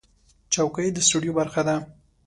چوکۍ د سټوډیو برخه ده.